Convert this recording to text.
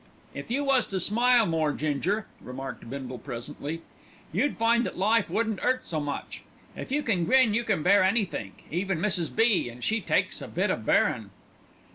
"If you was to smile more, Ginger," remarked Bindle presently, "you'd find that life wouldn't 'urt so much. If you can grin you can bear anythink, even Mrs. B., an' she takes a bit o' bearin'."